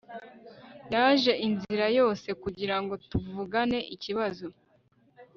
yaje inzira yose kugirango tuvugane ikibazo